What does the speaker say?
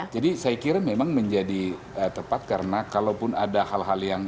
jadi saya kira memang menjadi tepat karena kalaupun ada hal hal yang apa